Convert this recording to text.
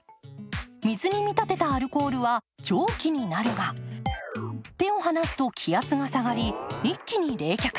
水に見立てたアルコールは蒸気になるが手を離すと気圧が下がり一気に冷却。